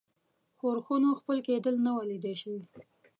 ښورښونو ځپل کېدل نه وه لیده شوي.